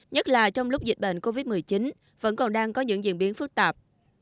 nhất là trong lúc dịch bệnh covid một mươi chín vẫn còn đang có những diễn biến phức tạp